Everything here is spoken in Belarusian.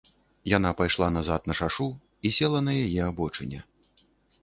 Яна пайшла назад на шашу і села на яе абочыне.